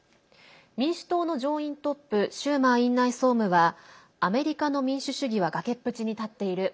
民主党の上院トップシューマー院内総務はアメリカの民主主義は崖っぷちに立っている。